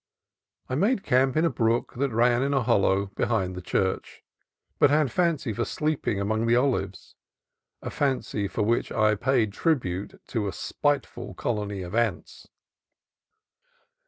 I made camp by a brook that ran in a hollow be hind the church, but had a fancy for sleeping among the olives, — a fancy for which I paid tribute to a spiteful colony of ants.